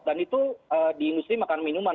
dan itu di industri makan minuman